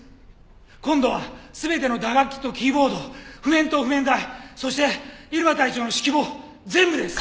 今度は全ての打楽器とキーボード譜面と譜面台そして入間隊長の指揮棒全部です！